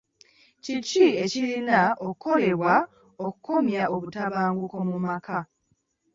Kiki ekirina okukolebwa okukomya obutabanguko mu maka?